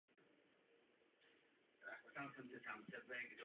Možnosti dalších prvovýstupů jsou v této lokalitě již omezené.